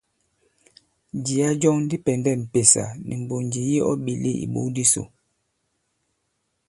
Jìya jɔŋ di pɛ̀ndɛ m̀pèsà nì mbònjì yi ɔ ɓèle ìbok disò.